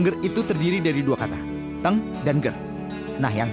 kita beri jawab sama warganya